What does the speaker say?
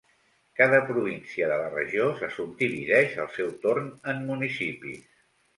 Cada província de la regió se subdivideix al seu torn en municipis.